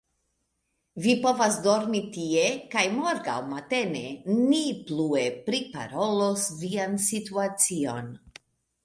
Vi povas dormi tie, kaj morgaŭ matene ni plue priparolos vian situacion.